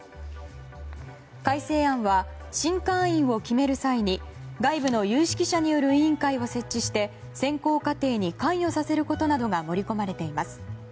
改正案は新会員を決める際に外部の有識者による委員会を設置して選考過程に関与させることなどが盛り込まれています。